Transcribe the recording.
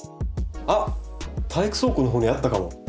あっ体育倉庫のほうにあったかも。